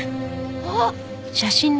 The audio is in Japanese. あっ！